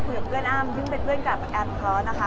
คุยกับเพื่อนอ้ำซึ่งเป็นเพื่อนกับแอมเขานะคะ